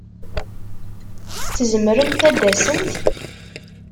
Tzemremt ad d-tasemt?